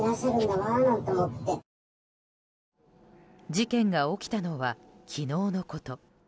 事件が起きたのは昨日のこと。